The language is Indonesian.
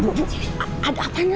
aku milt sedih apa no